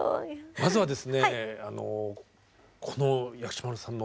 まずはですね